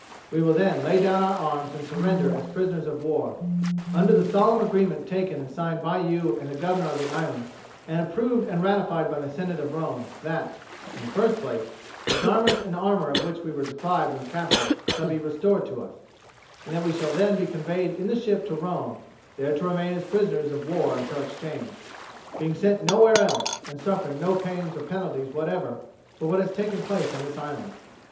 We will then lay down our arms and surrender as prisoners of war, under the solemn agreement taken and signed by you and the governor of the island, and approved and ratified by the senate of Rome, that, in the first place, the garments and armour of which we were deprived when captured, shall be restored to us, and that we shall then be conveyed in the ship to Rome, there to remain as prisoners of war until exchanged, being sent nowhere else, and suffering no pains or penalties whatever for what has taken place on this island."